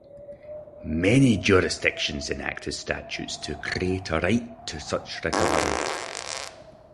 Many jurisdictions enacted statutes to create a right to such recovery.